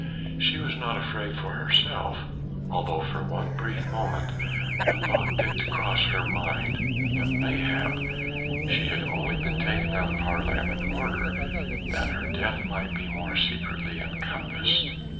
She was not afraid for herself, although for one brief moment the thought did cross her mind that mayhap she had only been taken out of Haarlem in order that her death might be more secretly encompassed.